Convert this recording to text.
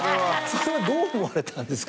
それはどう思われたんです？